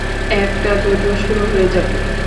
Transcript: একটা যুদ্ধ শুরু হয়ে যাবে।